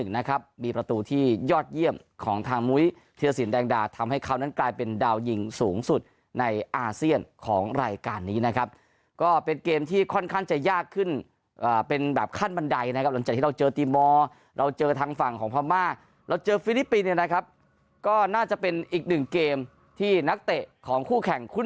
นะครับมีประตูที่ยอดเยี่ยมของทางมุ้ยธีรสินแดงดาทำให้เขานั้นกลายเป็นดาวยิงสูงสุดในอาเซียนของรายการนี้นะครับก็เป็นเกมที่ค่อนข้างจะยากขึ้นเป็นแบบขั้นบันไดนะครับหลังจากที่เราเจอทีมมอร์เราเจอทางฝั่งของพม่าเราเจอฟิลิปปินส์เนี่ยนะครับก็น่าจะเป็นอีกหนึ่งเกมที่นักเตะของคู่แข่งคุ